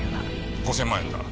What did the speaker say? ５０００万円だ。